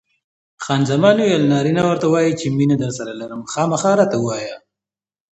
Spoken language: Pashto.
خان زمان وویل: نارینه ورته وایي چې مینه درسره لرم؟ خامخا راته ووایه.